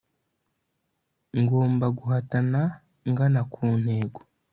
ngomba guhatana ngana ku ntego